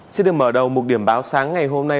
xin được mở đầu một điểm báo sáng ngày hôm nay